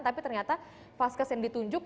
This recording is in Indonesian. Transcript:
tapi ternyata vaskes yang ditunjuk